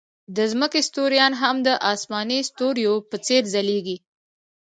د ځمکې ستوریان هم د آسماني ستوریو په څېر ځلېږي.